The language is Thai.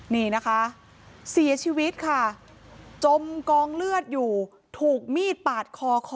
นี่นะคะเสียชีวิตค่ะจมกองเลือดอยู่ถูกมีดปาดคอคอ